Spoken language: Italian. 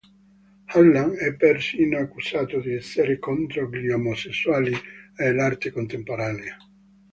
Harlan è persino accusato di essere contro gli omosessuali e l'arte contemporanea.